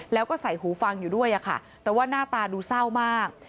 แล้วก็ใส่หูฟังอยู่ด้วยค่ะแต่ว่าหน้าตาดูเศร้ามาก